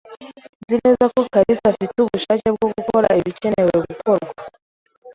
Nzi neza ko kalisa afite ubushake bwo gukora ibikenewe gukorwa.